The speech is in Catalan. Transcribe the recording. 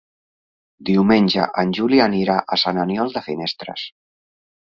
Diumenge en Juli anirà a Sant Aniol de Finestres.